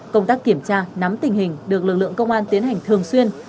công tác kiểm tra nắm tình hình được lực lượng công an tiến hành thường xuyên